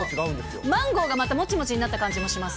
マンゴーがまたもちもちになった感じもします。